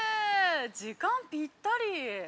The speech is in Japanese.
時間ぴったり。